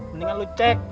mendingan lu cek